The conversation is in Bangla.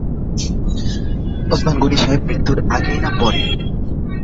ওসমান গনি সাহেবের মৃত্যুর আগে, না পরে?